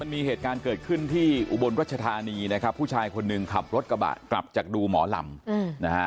มีเหตุการณ์เกิดขึ้นที่อุบลรัชธานีนะครับผู้ชายคนหนึ่งขับรถกระบะกลับจากดูหมอลำนะฮะ